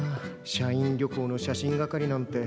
社員旅行の写真係なんて。